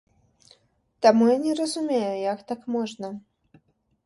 Таму, я не разумею, як так можна.